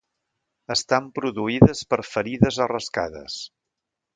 Estan produïdes per ferides o rascades.